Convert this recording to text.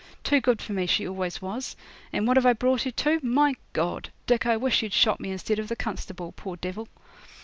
Too good for me she always was; and what have I brought her to? My God! Dick, I wish you'd shot me instead of the constable, poor devil!'